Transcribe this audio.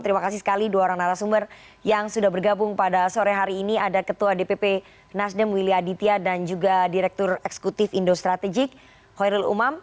terima kasih sekali dua orang narasumber yang sudah bergabung pada sore hari ini ada ketua dpp nasdem willy aditya dan juga direktur eksekutif indo strategik hoirul umam